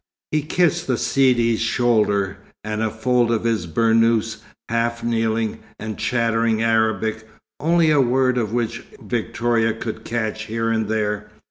He kissed the Sidi's shoulder, and a fold of his burnous, half kneeling, and chattering Arabic, only a word of which Victoria could catch here and there.